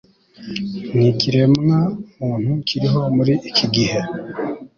nikiremwa muntu kiriho muri iki gihe